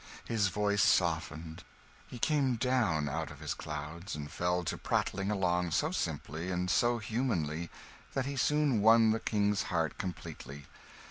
His voice softened, he came down out of his clouds, and fell to prattling along so simply and so humanly, that he soon won the King's heart completely.